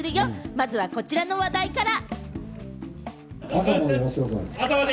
まずはこちらの話題から。